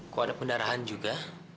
kok ada pendarahan juga